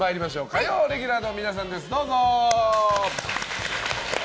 火曜レギュラーの皆さんです。